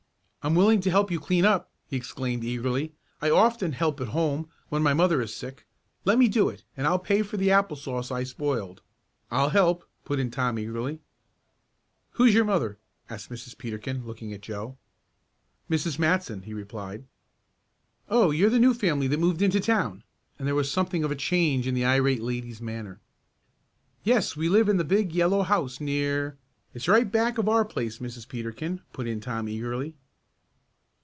"I'm willing to help you clean up!" he exclaimed eagerly. "I often help at home when my mother is sick. Let me do it, and I'll pay for the apple sauce I spoiled." "I'll help," put in Tom eagerly. "Who is your mother?" asked Mrs. Peterkin, looking at Joe. "Mrs. Matson," he replied. "Oh, you're the new family that moved into town?" and there was something of a change in the irate lady's manner. "Yes, we live in the big yellow house near " "It's right back of our place, Mrs. Peterkin," put in Tom eagerly.